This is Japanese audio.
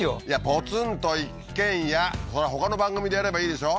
ポツンと一軒家ほかの番組でやればいいでしょ